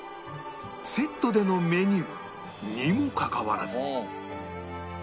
セットでのメニューにもかかわらず